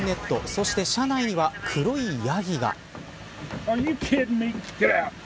そして、車内には黒いヤギが。